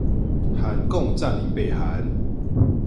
韓共占領北韓